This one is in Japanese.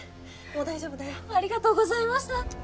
もう大丈夫だよありがとうございました